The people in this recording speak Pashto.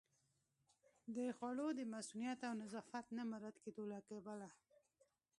د خوړو د مصئونیت او نظافت نه مراعت کېدو له کبله